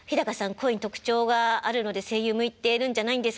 声に特徴があるので声優向いてるんじゃないですか？」